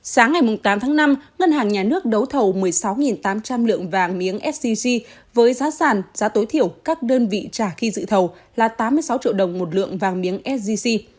sáng ngày tám tháng năm ngân hàng nhà nước đấu thầu một mươi sáu tám trăm linh lượng vàng miếng sgc với giá sản giá tối thiểu các đơn vị trả khi dự thầu là tám mươi sáu triệu đồng một lượng vàng miếng sgc